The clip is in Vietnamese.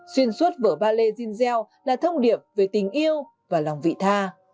xuyên suốt vở ballet jean gell là thông điệp về tình yêu và lòng vị tha